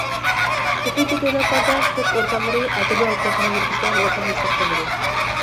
كۆپىنچە دۆلەتلەردە سوت ئورگانلىرى ئەدلىيە ھوقۇقىنى يۈرگۈزىدىغان ئورگان ھېسابلىنىدۇ.